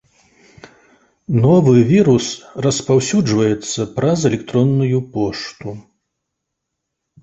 Новы вірус распаўсюджваецца праз электронную пошту.